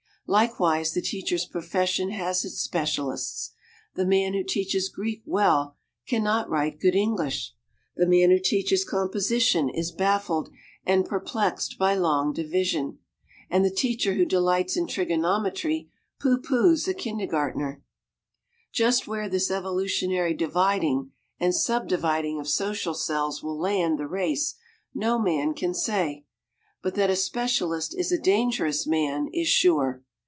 Likewise the teacher's profession has its specialists: the man who teaches Greek well can not write good English; the man who teaches composition is baffled and perplexed by long division; and the teacher who delights in trigonometry pooh poohs a kindergartner. Just where this evolutionary dividing and subdividing of social cells will land the race no man can say; but that a specialist is a dangerous man, is sure.